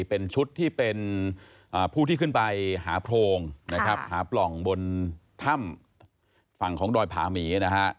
เป็นชุดที่เป็นผู้ที่ขึ้นไปหาโพรงนะครับหาปล่องบนถ้ำฝั่งของดอยผาหมีนะฮะ